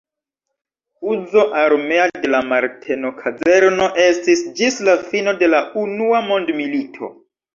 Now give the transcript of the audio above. Uzo armea de la Marteno-kazerno estis ĝis la fino de la Unua mondmilito.